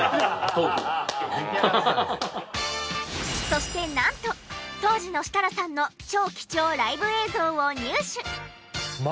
そしてなんと当時の設楽さんのライブ映像を入手！？